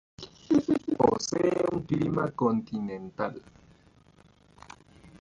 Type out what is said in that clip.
Posee un clima continental.